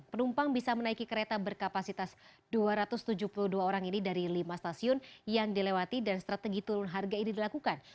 penumpang bisa menaiki kereta berkapasitas dua ratus tujuh puluh dua orang ini dari lima stasiun yang dilewati dan strategi turun harga ini dilakukan